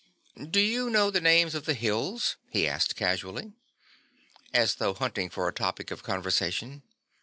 "Do you know the names of the hills?" he asked casually, as though hunting for a topic of conversation.